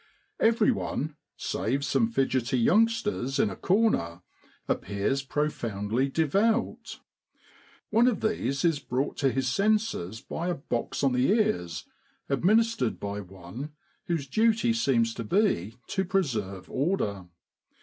Everyone, save some fidgety youngsters in a corner, appears profoundly devout; one of these is brought to his senses by a box on the ears, administered by one whose duty seems to be to preserve order.